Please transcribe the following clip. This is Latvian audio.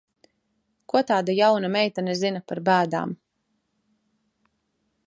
Ko tāda jauna meitene zina par bēdām?